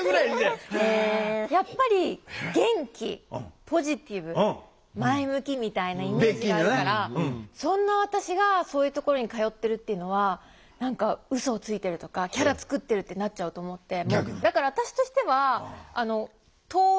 やっぱり元気ポジティブ前向きみたいなイメージがあるからそんな私がそういうところに通ってるっていうのは何かうそをついてるとかキャラ作ってるってなっちゃうと思って。